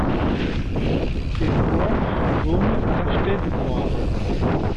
Ses flancs sont jaune tacheté de noir.